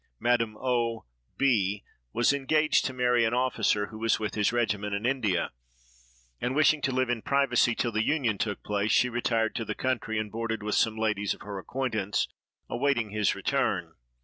Madame O—— B—— was engaged to marry an officer who was with his regiment in India; and, wishing to live in privacy till the union took place, she retired to the country and boarded with some ladies of her acquaintance, awaiting his return.